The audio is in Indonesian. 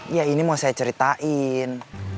ya ini mau saya ceritain